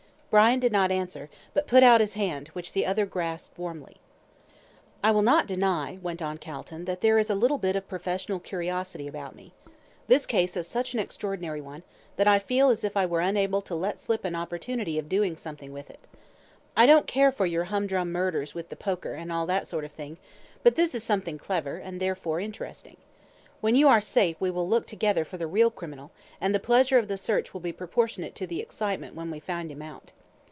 Brian did not answer, but put out his hand, which the other grasped warmly. "I will not deny," went on Calton, "that there is a little bit of professional curiosity about me. This case is such an extraordinary one, that I feel as if I were unable to let slip an opportunity of doing something with it. I don't care for your humdrum murders with the poker, and all that sort of thing, but this is something clever, and therefore interesting. When you are safe we will look together for the real criminal, and the pleasure of the search will be proportionate to the excitement when we find him out."